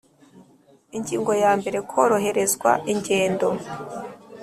Ingingo ya mbere Koroherezwa ingendo